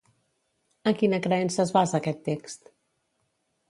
En quina creença es basa, aquest text?